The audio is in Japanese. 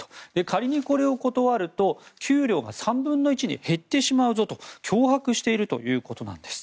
仮に、これを断ると給料が３分の１に減ってしまうぞと脅迫しているということなんです。